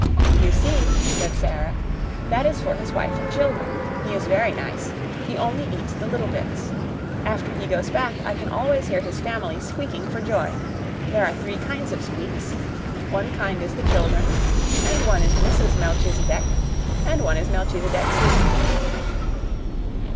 "You see," said Sara, "that is for his wife and children. He is very nice. He only eats the little bits. After he goes back I can always hear his family squeaking for joy. There are three kinds of squeaks. One kind is the children's, and one is Mrs. Melchisedec's, and one is Melchisedec's own."